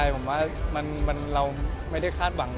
ผมว่าเราไม่ได้คาดหวัง